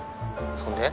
そんで？